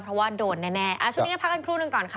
เพราะว่าโดนแน่ช่วงนี้กันพักกันครู่หนึ่งก่อนค่ะ